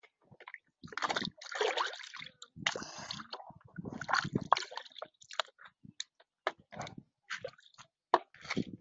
Some delegates ended up taking lodgings in Erfurt or Jena and commuting to Weimar.